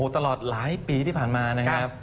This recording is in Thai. ตลอดหลายปีที่ผ่านมานะครับ